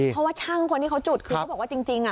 เพราะว่าช่างคนที่เขาจุดคือเขาบอกว่าจริง